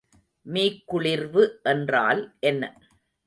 மீக்குளிர்வு என்றால் என்ன?